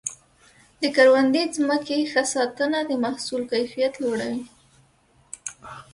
د کروندې ځمکې ښه ساتنه د محصول کیفیت لوړوي.